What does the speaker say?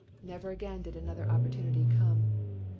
Never again did another opportunity come.